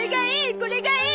これがいい！